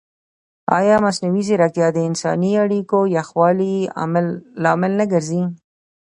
ایا مصنوعي ځیرکتیا د انساني اړیکو یخوالي لامل نه ګرځي؟